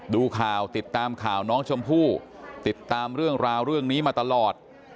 ดูข่าวติดตามข่าวน้องชมพู่ติดตามเรื่องราวเรื่องนี้มาตลอด